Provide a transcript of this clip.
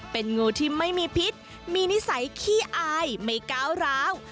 เป็นงูที่ไม่มีพิษมีนิสัยขี้อายไม่ก้าวร้าว